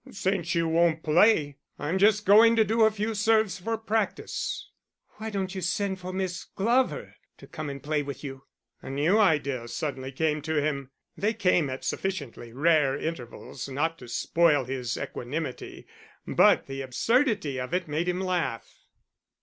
"Since you won't play, I'm just going to do a few serves for practice." "Why don't you send for Miss Glover to come and play with you?" A new idea suddenly came to him (they came at sufficiently rare intervals not to spoil his equanimity), but the absurdity of it made him laugh.